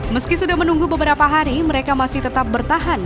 meski sudah menunggu beberapa hari mereka masih tetap bertahan